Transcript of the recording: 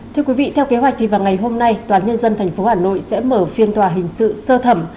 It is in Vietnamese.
thưa quý vị theo kế hoạch thì vào ngày hôm nay toán nhân dân tp hà nội sẽ mở phiên tòa hình sự sơ thẩm